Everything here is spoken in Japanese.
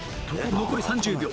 残り３０秒！